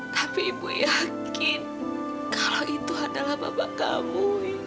tapi ibu yakin kalau itu adalah bapak kamu